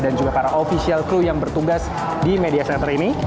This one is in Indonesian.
dan juga para kru ofisial yang bertugas di media center ini